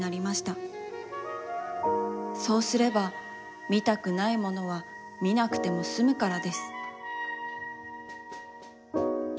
そうすればみたくないものはみなくてもすむからです。